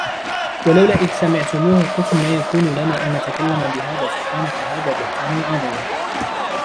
ولولا إذ سمعتموه قلتم ما يكون لنا أن نتكلم بهذا سبحانك هذا بهتان عظيم